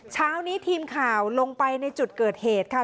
เช้านี้ทีมข่าวลงไปในจุดเกิดเหตุค่ะ